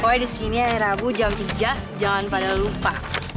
pokoknya disini air abu jam tiga jangan pada lupa